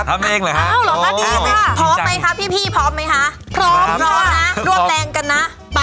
พร้อมน่ะรวมแรงกันนะ